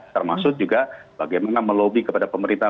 termasuk juga bagaimana melobi kepada pemerintah